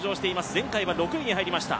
前回は６位に入りました。